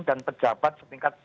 dan pejabat setingkat lain